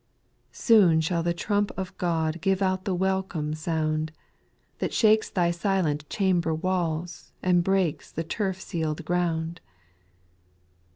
7. Soon shall the trump of God Give out the welcome sound, That shakes thy silent chamber walls, And breaks the turf seaPd ground.